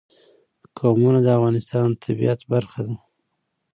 قومونه د افغانستان د طبیعت برخه ده.